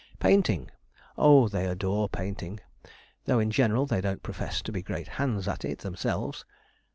Painting! oh, they adore painting though in general they don't profess to be great hands at it themselves.